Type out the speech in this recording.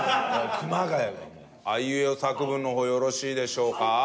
あいうえお作文の方よろしいでしょうか？